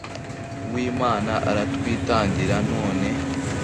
w'imana aratwitangira, none